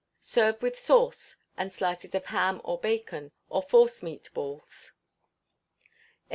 Serve with sauce, and slices of ham or bacon, or force meat balls. 1196.